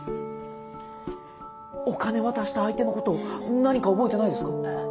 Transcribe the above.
お金渡した相手の事何か覚えてないですか？